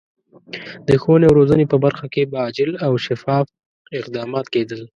د ښوونې او روزنې په برخه کې به عاجل او شفاف اقدامات کېدل.